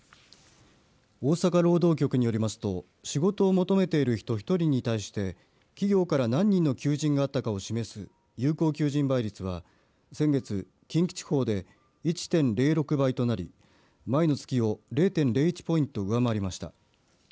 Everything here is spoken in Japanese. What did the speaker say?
大阪労働局によりますと仕事を求めている人１人に対して企業から何人の求人があったかを示す有効求人倍率は先月、近畿地方で１．０６倍となり前の月を０．０１ポイント上回りました。